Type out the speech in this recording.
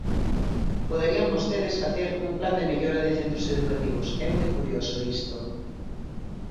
Poderían vostedes facer un plan de mellora de centros educativos, é moi curioso isto.